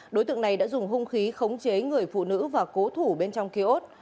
đối tượng này đã dùng hung khí khống chế người phụ nữ và cố thủ bên trong kia ốt